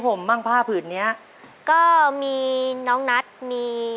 ขอเชิญแสงเดือนมาต่อชีวิตเป็นคนต่อชีวิตเป็นคนต่อชีวิต